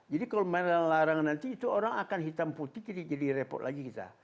jadi kalau melarang nanti itu orang akan hitam putih jadi repot lagi kita